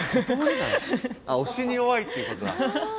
あっ押しに弱いっていうことだ。